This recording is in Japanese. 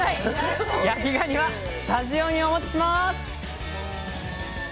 焼きがにはスタジオにお持ちします！